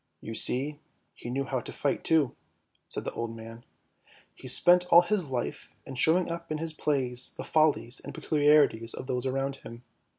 " You see he knew how to fight too," said the old man. " He spent all his life in showing up in his plays the follies and peculiarities of those around him!